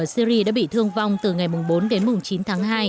ở syria đã bị thương vong từ ngày bốn đến chín tháng hai